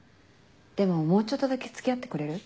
でももうちょっとだけ付き合ってくれる？